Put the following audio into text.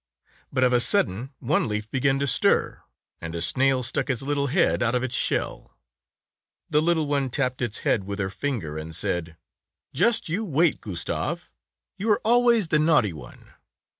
But of a sudden one leaf began to stir, and a snail stuck its little head out of its shell. The little one tapped its head with her finger and said, ''Just you wait, Gustave, you are always the naughty one